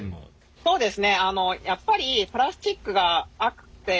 そうですね